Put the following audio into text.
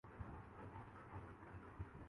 میں مرنے والا ہوں اور میں مرنے والی ہوں